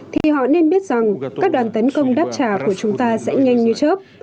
thì họ nên biết rằng các đoàn tấn công đáp trả của chúng ta sẽ nhanh như trước